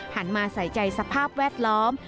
มาใส่ใจสภาพแวดล้อม